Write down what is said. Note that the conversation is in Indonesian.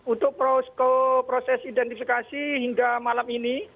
untuk proses identifikasi hingga malam ini